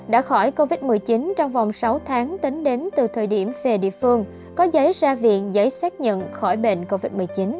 đã khỏi covid một mươi chín trong vòng sáu tháng tính đến từ thời điểm về địa phương có giấy ra viện giấy xác nhận khỏi bệnh covid một mươi chín